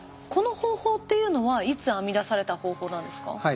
この方法っていうのはいつ編み出された方法なんですか？